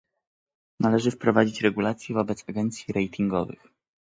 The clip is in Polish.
Należy wprowadzić regulacje wobec agencji ratingowych